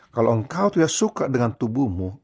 kalau engkau tidak suka dengan tubuhmu